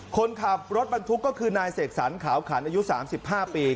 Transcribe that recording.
คนขับรถบรรทุกก็คือนายเสกสรรขาวขันอายุ๓๕ปี